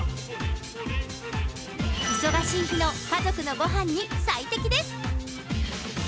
忙しい日の家族のごはんに最適です。